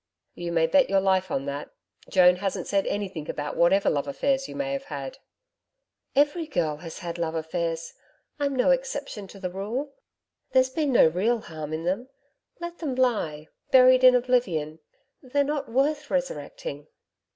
'You may bet your life on that. Joan hasn't said anything about whatever love affairs you may have had.' 'Every girl has had love affairs. I'm no exception to the rule. There's been no real harm in them. Let them lie buried in oblivion. They're not worth resurrecting.'